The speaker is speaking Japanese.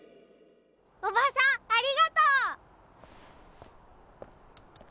おばさんありがとう！